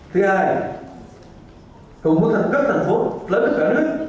thứ hai cùng với các thành phố lớn ở cả nước